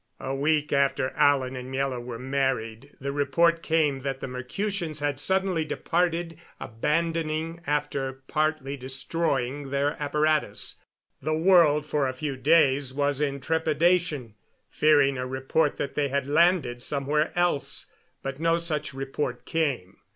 A week after Alan and Miela were married the report came that the Mercutians had suddenly departed, abandoning, after partly destroying, their apparatus. The world for a few days was in trepidation, fearing a report that they had landed somewhere else, but no such report came.